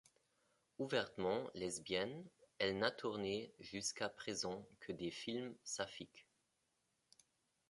Ouvertement lesbienne, elle n'a tourné jusqu'à présent que des films saphiques.